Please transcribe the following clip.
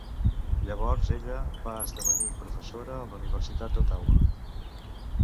Llavors ella va esdevenir professora a la Universitat d'Ottawa.